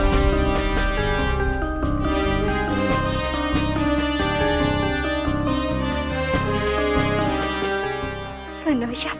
akanku tidak akan lakukan semua untuk mu